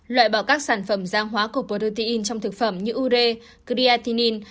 loại bỏ các sản phẩm giang hóa của protein trong thực phẩm như ure creatinine